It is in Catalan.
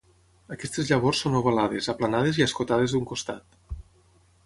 Aquestes llavors són ovalades, aplanades i escotades d'un costat.